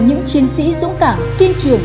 những chiến sĩ dũng cảm kiên trường